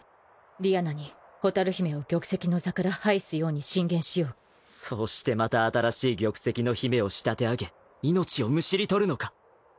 ディアナに蛍姫を玉石の座から廃すように進言しようそうしてまた新しい玉石の姫を仕立て上げ命をむしり取るのか？